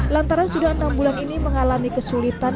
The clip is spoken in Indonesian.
lantaran sudah enam bulan ini mengalami kesulitan